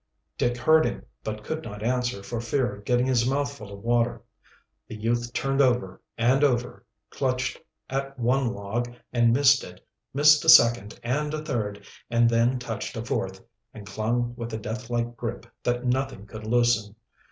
Dick heard him, but could not answer for fear of getting his mouth full of water. The youth turned over and over, clutched at one log and missed it, missed a second and a third, and then touched a fourth, and clung with a deathlike grip that nothing could loosen.